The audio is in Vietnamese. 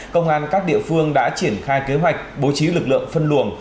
công an các địa phương đã triển khai kế hoạch bố trí lực lượng phân luồng